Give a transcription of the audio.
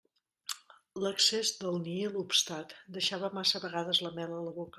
L'excés del nihil obstat deixava massa vegades la mel a la boca.